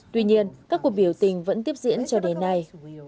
tuy nhiên các cuộc biểu tình vẫn tiếp diễn cho đến nay